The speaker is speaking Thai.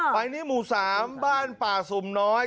อ่าอันนี้หมู่๓บ้านป่าสุ่มน้อย